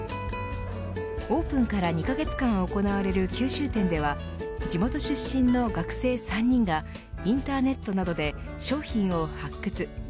オープンから２カ月間行われる九州展では地元出身の学生３人がインターネットなどで商品を発掘。